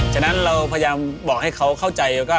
ฉะนั้นเราพยายามบอกให้เขาเข้าใจว่า